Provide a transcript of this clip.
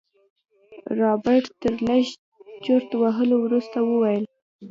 رابرټ تر لږ چورت وهلو وروسته وويل.